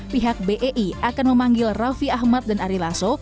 pihak bei akan memanggil raffi ahmad dan ari laso